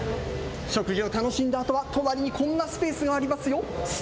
食事を楽しんだあとは隣にこんなスペースもありますよ。